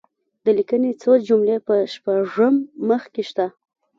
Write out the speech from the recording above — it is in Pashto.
د لیکني څو جملې په شپږم مخ کې شته.